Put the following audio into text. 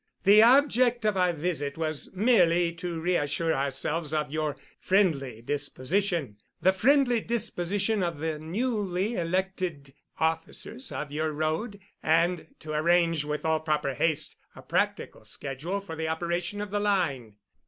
The object of our visit was merely to reassure ourselves of your friendly disposition—the friendly disposition of the newly elected officers of your road—and to arrange with all proper haste a practical schedule for the operation of the line."